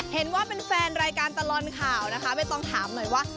เห็นว่าเป็นแฟนรายการตลอดข่าวนะคะไม่ต้องถามหน่อยว่า